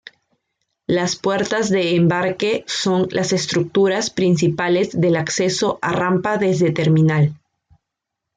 Las puertas de embarque son las estructuras principales del acceso a rampa desde terminal.